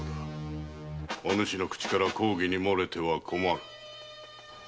お主の口から公儀に漏れては困る。